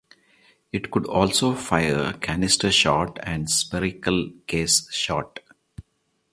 It could also fire canister shot and spherical case shot.